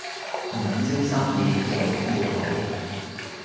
銀晶生意又點會好